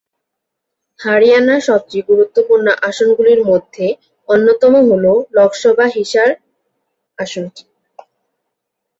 হরিয়ানার সবচেয়ে গুরুত্বপূর্ণ আসনগুলির মধ্যে অন্যতম হল লোকসভা হিসার আসনটি।